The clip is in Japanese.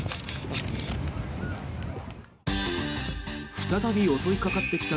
再び襲いかかってきた